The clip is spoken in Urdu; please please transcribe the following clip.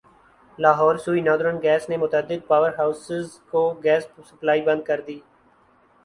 لاہور سوئی ناردرن گیس نے متعدد پاور ہاسز کو گیس سپلائی بند کر دی